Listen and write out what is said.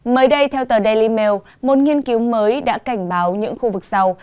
mới đây theo tờ daily mail một nghiên cứu mới đã cảnh báo những khu vực sau